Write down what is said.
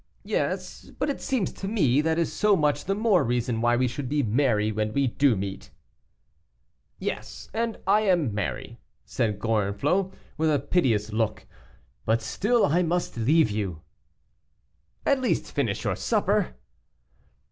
"Yes, but it seems to me that is so much the more reason why we should be merry when we do meet." "Yes, I am merry," said Gorenflot, with a piteous look, "but still I must leave you." "At least, finish your supper."